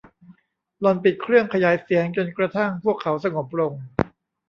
หล่อนปิดเครื่องขยายเสียงจนกระทั่งพวกเขาสงบลง